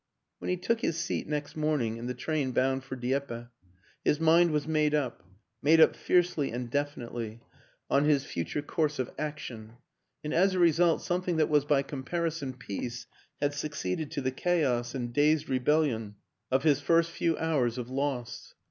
When he took his seat, next morning, in the train bound for Dieppe, his mind was made up made up fiercely and definitely on his future 200 WILLIAM AN ENGLISHMAN course of action; and as a result something that was by comparison peace had succeeded to the chaos and dazed rebellion of his first few hours of loss.